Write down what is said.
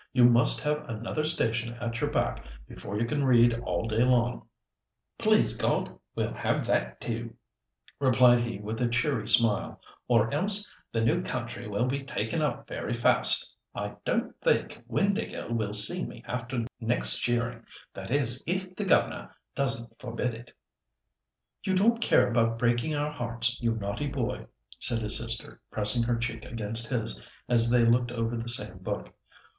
You must have another station at your back before you can read all day long." "Please God, we'll have that too," replied he with a cheery smile, "or else the new country will be taken up very fast. I don't think Windāhgil will see me after next shearing; that is if the governor doesn't forbid it." "You don't care about breaking our hearts, you naughty boy!" said his sister, pressing her cheek against his, as they looked over the same book.